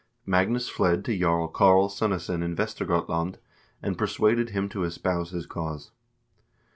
Magnus fled to Jarl Karl Sunnesson in Vestergotland, and persuaded him to espouse his cause.